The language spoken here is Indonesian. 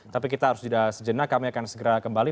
tapi kita harus jeda sejenak kami akan segera kembali